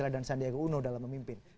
dan sandiaga uno dalam memimpin